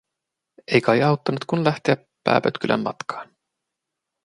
Ei kai auttanut, kun lähteä pääpötkylän matkaan.